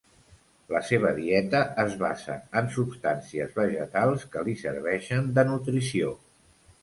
La seva dieta es basa en substàncies vegetals que li serveixen de nutrició.